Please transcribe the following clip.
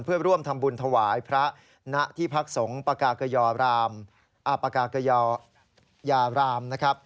เพื่อร่วมทำบุญถวายพระณที่พักสงศ์ปากาเกยายาราม